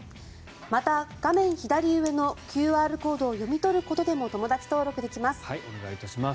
また画面左上のＱＲコードを読み取ることでもお願いいたします。